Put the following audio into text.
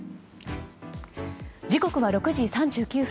時刻は６時３９分。